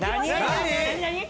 何？